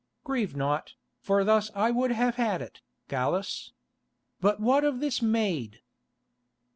"Grieve not, for thus I would have had it, Gallus. But what of this maid?"